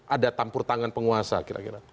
ada campur tangan penguasa kira kira